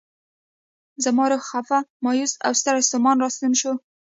زما روح خفه، مایوس او ستړی ستومان راستون شي.